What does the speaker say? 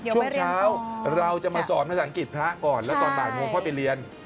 ช่วงเช้าเราจะมาสอนภาษาอังกฤษพระก่อนแล้วตอนบ่ายโมงค่อยไปเรียน